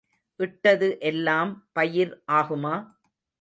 இட்டது எல்லாம் பயிர் ஆகுமா?